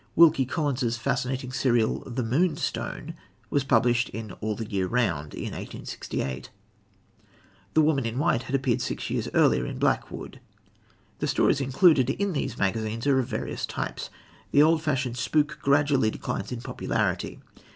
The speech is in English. Wilkie Collins' fascinating serial, The Moonstone, was published in All the Year Round in 1868; The Woman in White had appeared six years earlier in Blackwood. The stories included in these magazines are of various types. The old fashioned spook gradually declines in popularity.